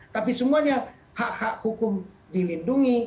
tapi semuanya hak hak hukum dilindungi